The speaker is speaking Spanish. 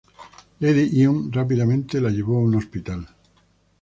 Lady Une rápidamente la llevó a un hospital.